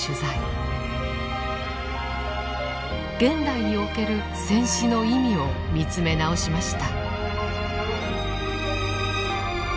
現代における戦死の意味を見つめ直しました。